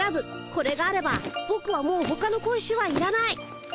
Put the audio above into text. これがあればぼくはもうほかの小石はいらない。